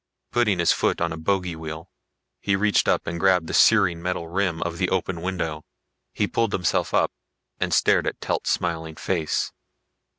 Putting his foot on a bogey wheel, he reached up and grabbed the searing metal rim of the open window. He pulled himself up and stared at Telt's smiling face.